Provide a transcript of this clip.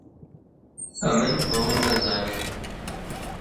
ئەمن بە وەم نەزانی